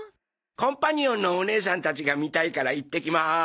コンパニオンのお姉さんたちが見たいから行ってきます。